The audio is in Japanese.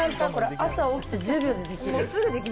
朝起きて１０秒でできる。